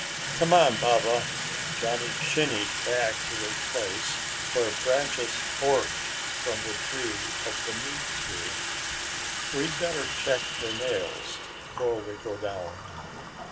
"Come on, Baba." Johnny shinnied back to a place where branches forked from the trunk of the meat tree. "We'd better check your nails 'fore we go down."